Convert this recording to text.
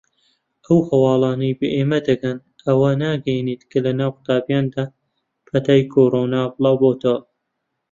ئەو هەواڵانەی بە ئێمە دەگەن ئەوە ناگەیەنێت کە لەناو قوتابییاندا پەتای کۆرۆنا بڵاوبۆتەوە.